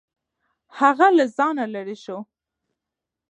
هغه له ځانه لرې شو.